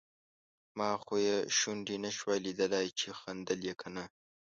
ما خو یې شونډې نشوای لیدای چې خندل یې که نه.